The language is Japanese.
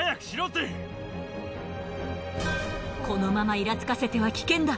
このままイラつかせては危険だ。